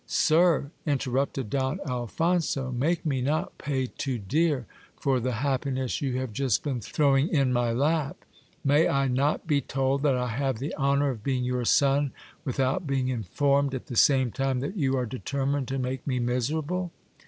Sir, interrupted Don Alphonso, make me not pay too dear for the happiness you have just been throwing in my lap. May I not be told that I have the honour of being your son without being informed at the GIL BLAS. same time that you are determined to make me miserable